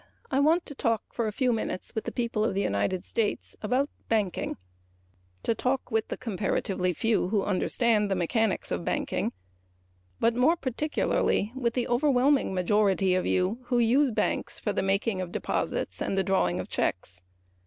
I want to talk for a few minutes with the people of the United States about banking with the comparatively few who understand the mechanics of banking but more particularly with the overwhelming majority who use banks for the making of deposits and the drawing of checks.